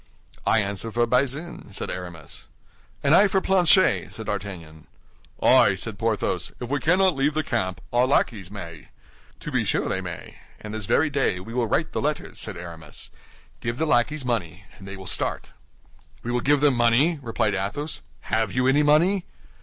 "I answer for Bazin," said Aramis. "And I for Planchet," said D'Artagnan. "Ay," said Porthos, "if we cannot leave the camp, our lackeys may." "To be sure they may; and this very day we will write the letters," said Aramis. "Give the lackeys money, and they will start." "We will give them money?" replied Athos. "Have you any money?"